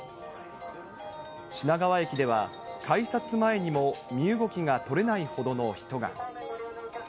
品川駅では、改札前にも身動きが取れないほどの人が。